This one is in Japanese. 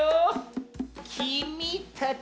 「きみ」たち？